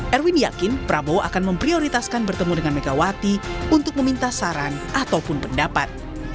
erwin yakin prabowo akan memprioritaskan bertemu dengan megawati untuk meminta saran ataupun pendapat